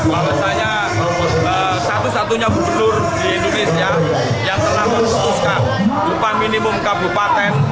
bahwasannya satu satunya gubernur di indonesia yang telah memutuskan upah minimum kabupaten